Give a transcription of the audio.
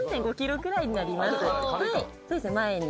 そうですね前に。